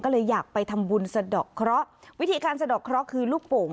ก็เลยอยากไปทำบุญสะดอกเคราะห์วิธีการสะดอกเคราะห์คือลูกโป่ง